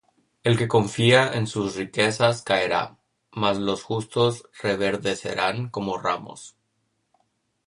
El que confía en sus riquezas, caerá: Mas los justos reverdecerán como ramos.